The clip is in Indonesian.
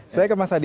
saya ke mas hadi